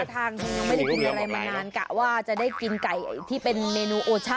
ทางเธอยังไม่ได้กินอะไรมานานกะว่าจะได้กินไก่ที่เป็นเมนูโอชะ